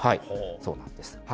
そうなんです。